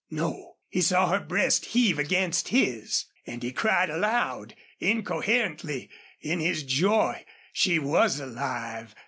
No; he saw her breast heave against his! And he cried aloud, incoherently in his joy. She was alive.